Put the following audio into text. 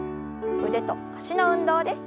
腕と脚の運動です。